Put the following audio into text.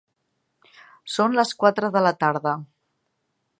Són les quatre de la tarda.